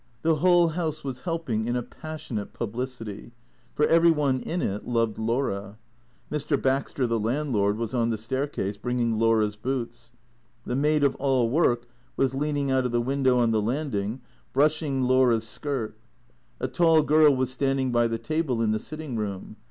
The whole house was helping, in a passionate publicity; for every one in it loved Laura. Mr. Baxter, the landlord, was on the staircase, bringing Laura's boots. Tlie maid of all work was leaning out of the window on the landing, brushing Laura's 219 220 THECEEATOKS skirt. A tall girl was standing by the table in the sitting room.